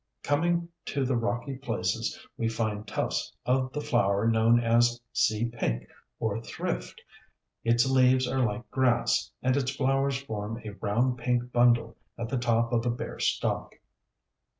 Coming to the rocky places, we find tufts of the flower known as Sea Pink or Thrift. Its leaves are like grass, and its flowers form a round pink bundle at the top of a bare stalk.